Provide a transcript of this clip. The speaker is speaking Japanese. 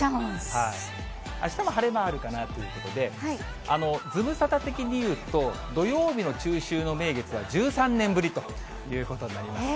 あしたも晴れ間あるかなということで、ズムサタ的に言うと、土曜日の中秋の名月は１３年ぶりということになります。